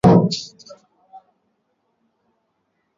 Arisema asema kuko paka mpango ya kiloko